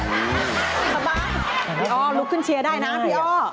กลับบ้านพี่อ้อลุกขึ้นเชียร์ได้นะพี่อ้อ